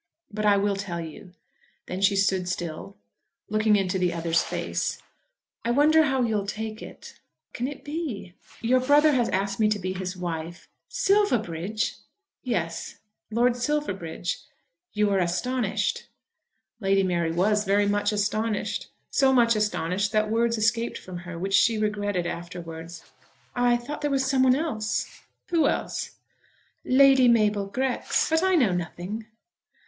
But I will tell you." Then she stood still, looking into the other's face. "I wonder how you will take it." "What can it be?" "Your brother has asked me to be his wife." "Silverbridge!" "Yes; Lord Silverbridge. You are astonished." Lady Mary was very much astonished, so much astonished that words escaped from her, which she regretted afterwards. "I thought there was someone else." "Who else?" "Lady Mabel Grex. But I know nothing."